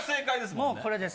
もうこれです。